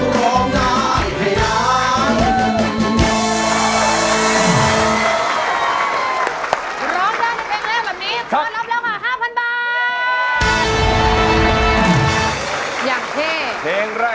ร้องได้ให้ล้าน